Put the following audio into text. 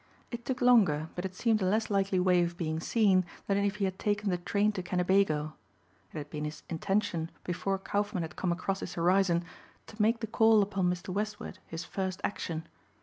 It took longer but it seemed a less likely way of being seen than if he had taken the train to Kennebago. It had been his intention before Kaufmann had come across his horizon to make the call upon Mr. Westward his first action.